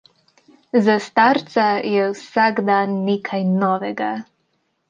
Za starca je vsak dan nekaj novega.